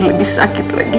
lebih sakit lagi